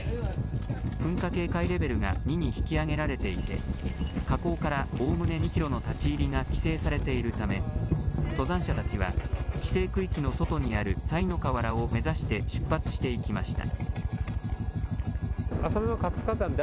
噴火警戒レベルが２に引き上げられていて火口からおおむね２キロの立ち入りが規制されているため登山者たちは規制区域の外にある賽の河原を目指して出発していきました。